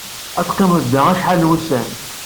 Ad teqqimed da acḥal n wussan.